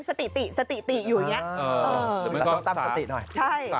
สติติสติติอยู่อย่างนี้